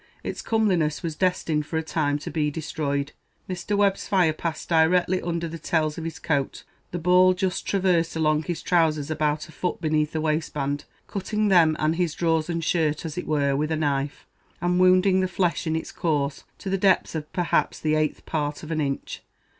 its comeliness was destined for a time to be destroyed. Mr. Webb's fire passed directly under the tails of his coat; the ball just traversed along his trousers about a foot beneath the waistband, cutting them and his drawers and shirt, as it were, with a knife, and wounding the flesh in its course to the depth of perhaps the eighth part of an inch.